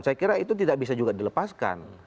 saya kira itu tidak bisa juga dilepaskan